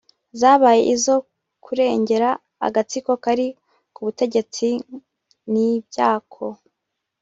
zabaye izo kurengera agatsiko kari ku butegetsi n’ibyako